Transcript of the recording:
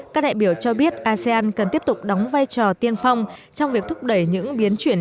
các đại biểu cho biết asean cần tiếp tục đóng vai trò tiên phong trong việc thúc đẩy những biến chuyển